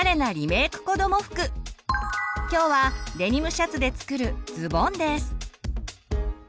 今日はデニムシャツで作る「ズボン」です。